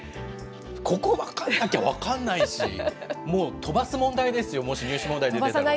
ここ分からなきゃ分からないし、もう飛ばす問題ですよ、もし入試問題に出たら。